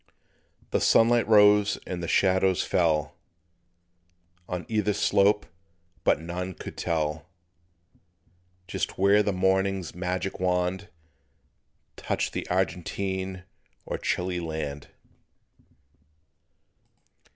The sunlight rose and the shadows fell On either slope, but none could tell Just where the morning's magic wand Touched the Argentine or Chile land.